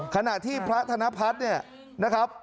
ขณะที่พระธนพัฒน์เนี่ยนะครับ